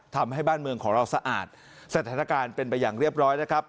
ทำให้บ้านเมืองของเราสะอาดสถานการณ์เป็นไปอย่างเรียบร้อยนะครับ